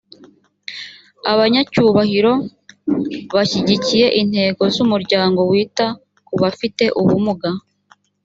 abanyacyubahiro bashyigikiye intego z’umuryango wita ku bafite ubumuga